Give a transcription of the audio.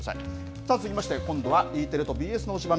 さあ、続きまして、今度はＥテレとＢＳの推しバン！